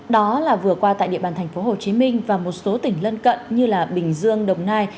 đó là vừa qua tại địa bàn thành phố hồ chí minh và một số tỉnh lân cận như là bình dương đồng nai